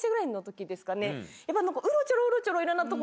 うろちょろうろちょろ。